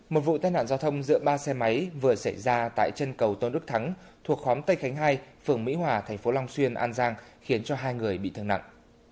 một vụ tai nạn giao thông giữa ba xe máy vừa xảy ra tại chân cầu tôn đức thắng thuộc khóm tây khánh hai phường mỹ hòa thành phố long xuyên an giang khiến cho hai người bị thương nặng